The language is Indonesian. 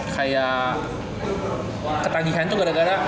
kaya ketagihan tuh gara gara